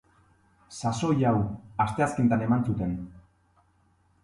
Sasoi hau, asteazkenetan eman zuten.